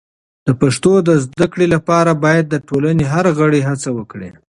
د پښتو د زده کړې لپاره باید د ټولنې هر غړی هڅه وکړي.